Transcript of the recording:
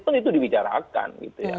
pun itu dibicarakan